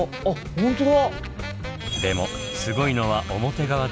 本当だ。